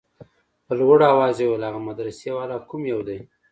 په لوړ اواز يې وويل هغه مدرسې والا کوم يو دى.